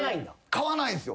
買わないんすよ。